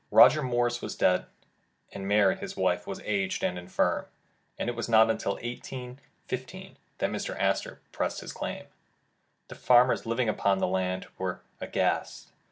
Roger Morris was dead, and Mary, his wife, was aged and infirm, and it was not until 1815 that Mr. Astor pressed his claim. The farmers living upon the land, were aghast.